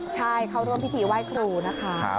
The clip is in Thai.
ใช่เข้าร่วมพิธีไหว้ครูนะคะ